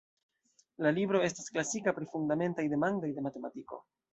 La libro estas klasika pri fundamentaj demandoj de matematiko.